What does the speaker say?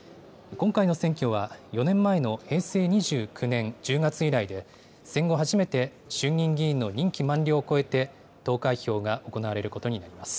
今回の選挙は、４年前の平成２９年１０月以来で、戦後初めて、衆議院議員の任期満了を超えて投開票が行われることになります。